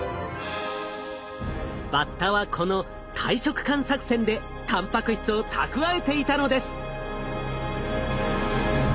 バッタはこの大食漢作戦でたんぱく質を蓄えていたのです！